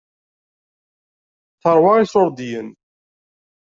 Teṛwa iṣuṛdiyen.